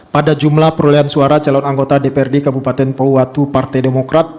pada jumlah perolehan suara calon anggota dprd kabupaten powatu partai demokrat